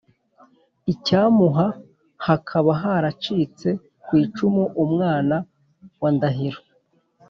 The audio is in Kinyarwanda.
icyamuha hakaba haracitse ku icumu umwana wa ndahiro